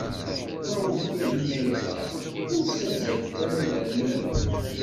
Rawubin inna-asen daɣen: Ur ssazzalet ara idammen!